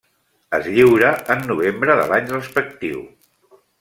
Es lliura en novembre de l'any respectiu.